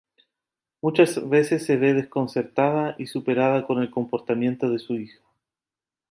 Muchas veces se ve desconcertada y superada con el comportamiento de su hija.